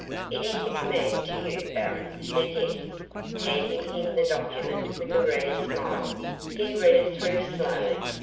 "It is a command to you, baron," said Yetive, handing him the document with a rare smile. He read it through slowly.